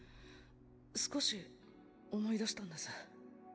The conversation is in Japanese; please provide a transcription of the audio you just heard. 少し思い出したんです。